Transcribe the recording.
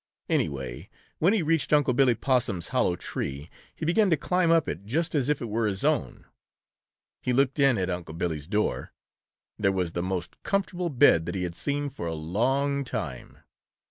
Anyway, when he reached Unc' Billy Possum's hollow tree, he began to climb up it just as if it were his own. He looked in at Unc' Billy's door. There was the most comfortable bed that he had seen for a long time.